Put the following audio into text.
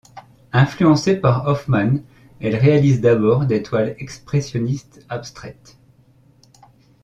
Influencée par Hofmann, elle réalise d'abord des toiles expressionnistes abstraites.